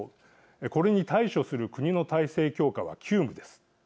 これに対処する国の体制強化は急務です。